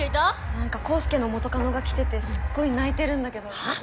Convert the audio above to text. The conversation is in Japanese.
なんか康祐の元カノが来ててすっごい泣いてるんだけどはぁ？